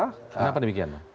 kenapa demikian pak